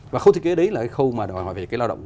và khâu thiết kế đấy là cái khâu mà đòi hỏi về cái lao động